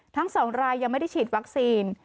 ทั้ง๒รายยังไม่ได้ฉีดวัคซีน